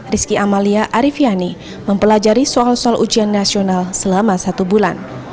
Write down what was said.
rizky amalia arifiani mempelajari soal soal ujian nasional selama satu bulan